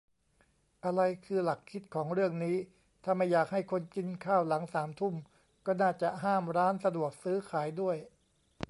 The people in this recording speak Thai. อะไรคือหลักคิดของเรื่องนี้ ถ้าไม่อยากให้คนกินข้าวหลังสามทุ่ม ก็น่าจะห้ามร้านสะดวกซื้อขายด้วย